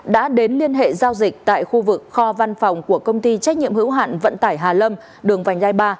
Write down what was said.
đã đến liên hệ giao dịch tại khu vực kho văn phòng của công ty trách nhiệm hữu hạn vận tải hà lâm đường vành đai ba